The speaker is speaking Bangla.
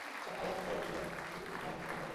ছক্কায় এক ফোঁটা উঠলে গুটি ঘর থেকে বের হবে।